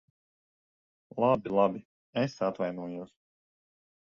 Labi, labi. Es atvainojos.